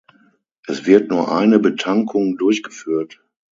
Es wird nur eine Betankung durchgeführt.